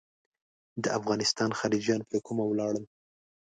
د افغانستان خلجیان پر کومه ولاړل.